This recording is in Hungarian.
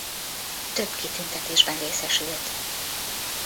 Több kitüntetésben részesült.